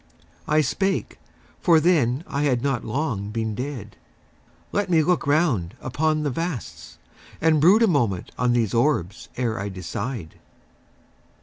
I spake for then I had not long been dead "Let me look round upon the vasts, and brood A moment on these orbs ere I decide